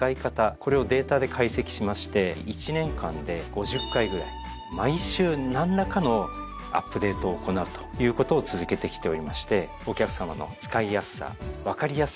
これをデータで解析しまして１年間で５０回ぐらい毎週何らかのアップデートを行うということを続けてきておりまして。